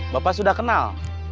bapak sudah kenal